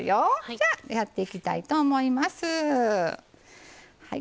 じゃあやっていきたいと思います。